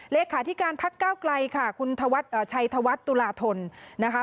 เลขาธิการพักก้าวไกลค่ะคุณชัยธวัฒน์ตุลาธนนะคะ